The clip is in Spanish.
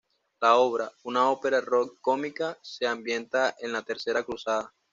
La obra, una ópera rock cómica, se ambienta en la Tercera Cruzada.